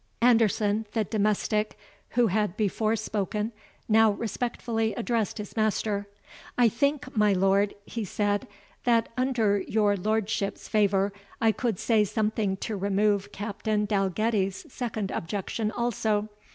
Anderson, the domestic who had before spoken now respectfully addressed his master. "I think, my lord," he said, "that, under your lordship's favour, I could say something to remove Captain Dalgetty's second objection also.